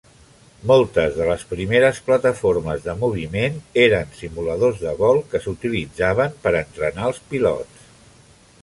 Moltes de les primeres plataformes de moviment eren simuladors de vol que s'utilitzaven per entrenar els pilots.